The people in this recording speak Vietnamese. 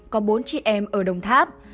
có bốn chị em ở đồng tháp